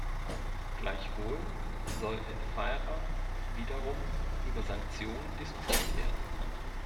Gleichwohl soll in Feira wiederum über Sanktionen diskutiert werden.